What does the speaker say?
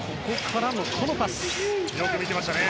よく見ていましたね。